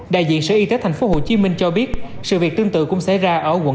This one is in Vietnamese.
đại diện sở y tế tp hcm cho biết sự việc tương tự cũng xảy ra ở quận tám